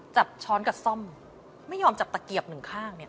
จับช้อนกับซ่อมไม่ยอมจับตะเกียบหนึ่งข้าง